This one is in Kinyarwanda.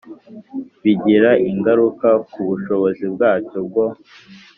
Bigira ingaruka ku bushobozi bwacyo bwo